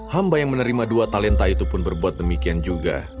hamba yang menerima dua talenta itu pun berbuat demikian juga